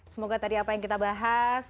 semoga tadi apa yang kita bahas